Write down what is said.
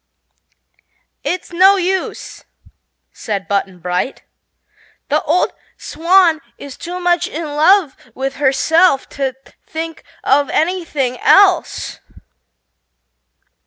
"It's no use," said Button Bright; "the old Swan is too much in love with herself to think of anything else."